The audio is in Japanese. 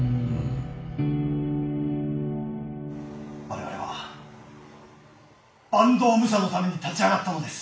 我々は坂東武者のために立ち上がったのです。